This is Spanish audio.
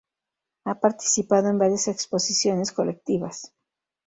Ha participado en varias exposiciones colectivas.